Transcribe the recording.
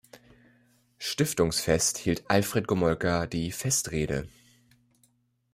Stiftungsfest hielt Alfred Gomolka die Festrede.